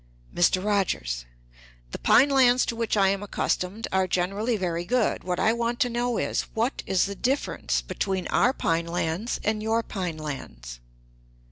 "Mr. Rogers. The pine lands to which I am accustomed are generally very good. What I want to know is, what is the difference between our pine lands and your pine lands?